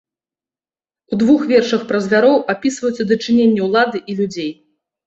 У двух вершах пра звяроў апісваюцца дачыненні ўлады і людзей.